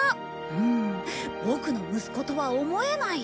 うんボクの息子とは思えない。